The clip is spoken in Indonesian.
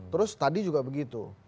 terus tadi juga begitu